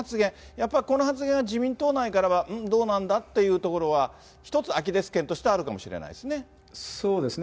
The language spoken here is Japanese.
やっぱこの発言は、自民党内からはうん、どうなんだというところは、一つ、アキレスけんとしてあるかもしれないですね。